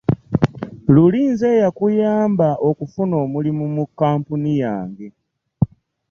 Luli nze eyakuyamba okufuna omulimu mu kkkampuni yange.